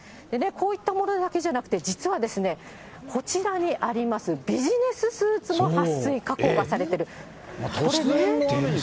こういったものだけじゃなくて、実はですね、こちらにあります、ビジネススーツも撥水加工がされてる。